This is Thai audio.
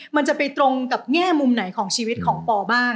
มันจะไปตรงกับแง่มุมไหนของชีวิตของปอบ้าง